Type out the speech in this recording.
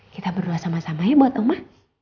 kita berdua sama sama ya buat oma